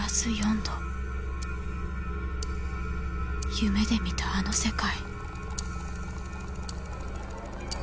夢で見たあの世界。